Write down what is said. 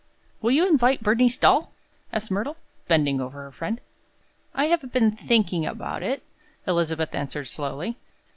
"Will you invite Bernice Dahl?" asked Myrtle, bending over her friend. "I have been thinking about it," Elizabeth answered, slowly.